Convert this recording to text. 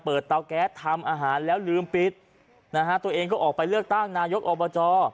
เตาแก๊สทำอาหารแล้วลืมปิดนะฮะตัวเองก็ออกไปเลือกตั้งนายกอบจ